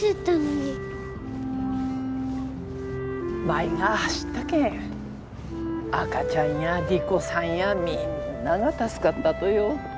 舞が走ったけん赤ちゃんや莉子さんやみんなが助かったとよ。